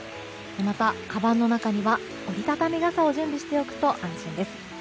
また、かばんの中には折り畳み傘を準備しておくと安心です。